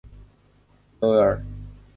维维尔。